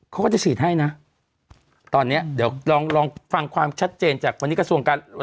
เขาก็จะฉีดให้นะตอนเนี้ยเดี๋ยวลองลองฟังความชัดเจนจากวันนี้กระทรวงการ